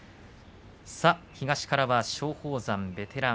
東からは松鳳山ベテラン。